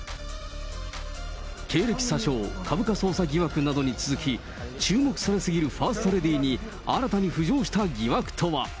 経歴詐称、株価操作疑惑などに続き、注目され過ぎるファーストレディーに新たに浮上した疑惑とは。